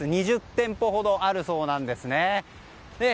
２０店舗ほどあるそうなんですね。